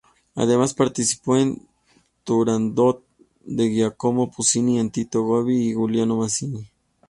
Además, participa en Turandot de Giacomo Puccini con Tito Gobbi y Galliano Masini.